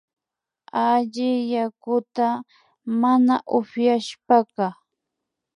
Alli yakuta mana upyashpaka